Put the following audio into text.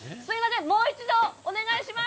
もう一度お願いします。